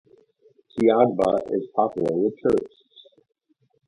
Tiagba is popular with tourists.